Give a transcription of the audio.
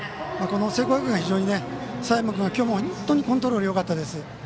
聖光学院が非常に佐山君、今日も本当にコントロールよかったです。